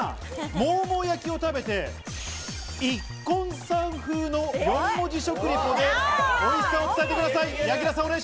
ＭｏｕＭｏｕ焼きを食べてＩＫＫＯさん風の４文字食リポで、おいしさを伝えてください。